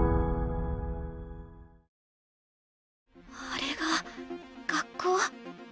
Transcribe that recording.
あれが学校。